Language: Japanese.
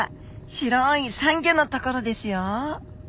白いサンギョの所ですよ。